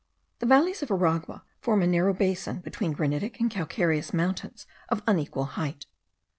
The valleys of Aragua form a narrow basin between granitic and calcareous mountains of unequal height.